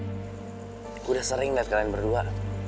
gue udah sering liat kalian berdua